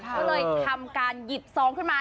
ก็เลยทำการหยิบซองขึ้นมา